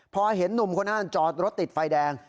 พอเห็นหนุ่มคนนั้นจอดรถติดไฟแดง